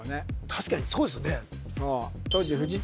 確かにそうですよね